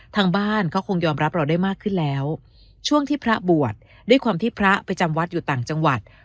ทางบ้านเขาคงยอมรับเราได้มากขึ้นแล้วช่วงที่พระบวชด้วยความที่พระไปจำวัดอยู่ต่างจังหวัด